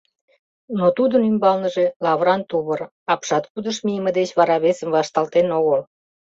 Но тудын ӱмбалныже лавыран тувыр: апшаткудыш мийыме деч вара весым вашталтен огыл.